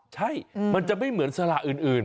ใช่มันจะไม่เหมือนสละอื่น